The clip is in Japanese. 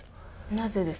なぜですか？